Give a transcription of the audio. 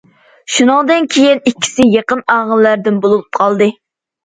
شۇنىڭدىن كېيىن ئىككىسى يېقىن ئاغىنىلەردىن بولۇپ قالدى.